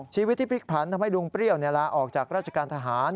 ชีวิตที่พลิกผลันทำให้ลุงเปรี้ยวลาออกจากราชการทหาร